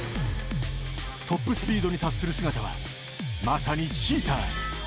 トップスピードに達する姿はまさにチーター。